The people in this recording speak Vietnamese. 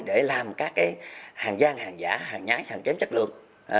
để làm các hàng giang hàng giả hàng nhái hàng chém chất lượng